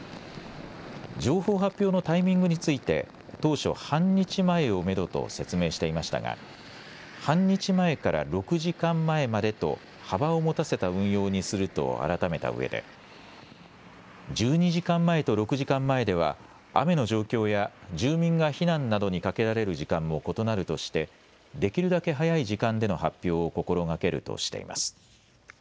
情報発表のタイミングについて当初半日前をめどと説明していましたが半日前から６時間前までと幅を持たせた運用にすると改めたうえで１２時間前と６時間前では雨の状況や住民が避難などにかけられる時間も異なるとしてできるだけ早い時間での発表を心がけるとしています。